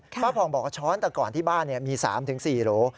พ่อผ่องบอกว่าช้อนแต่ก่อนที่บ้านมี๓๔โหล